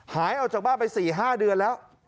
หายออกจากบ้านไป๔๕เดือนแล้ว